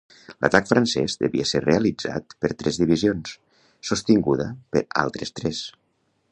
L'atac francès devia ser realitzat per tres divisions, sostingudes per altres tres.